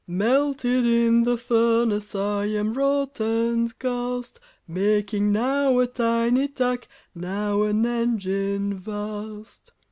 Melted in the furnace, I am wrought and cast, Making now a tiny tack, Now an engine vast.